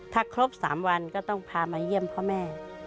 ถ้าครบ๓วันก็ต้องพามาเยี่ยมพ่อแม่